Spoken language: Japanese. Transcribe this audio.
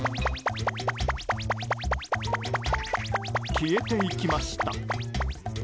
消えていきました。